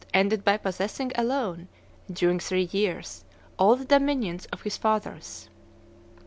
ended by possessing alone, during three years, all the dominions of his fathers.